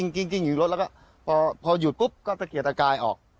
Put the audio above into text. กลิ้งรถแล้วก็ก็พอหยุดก็สะเกียร์อากาศออก